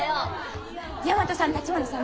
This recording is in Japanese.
大和さん橘さん